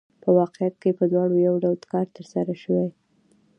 په واقعیت کې په دواړو یو ډول کار ترسره شوی